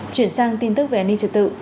chuyển sang tin tức về an ninh trực tự